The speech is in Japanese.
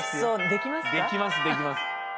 できますできます。